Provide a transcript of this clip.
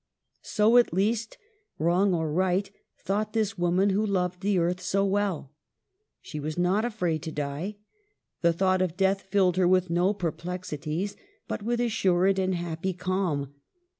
So at least, wrong or right, thought this woman who loved the earth so well. She was not afraid to die. The thought of death filled her with no perplex ities, but with assured and happy calm.